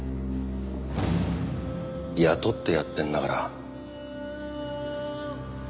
雇ってやってんだから。